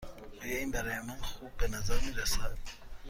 آیا این برای من خوب به نظر می رسد؟